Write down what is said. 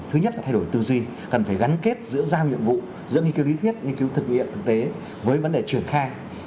thứ nhất là thay đổi tư duy cần phải gắn kết giữa giao nhiệm vụ giữa nghiên cứu lý thuyết nghiên cứu thực hiện thực tế với vấn đề triển khai